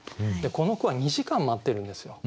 この句は２時間待ってるんですよ。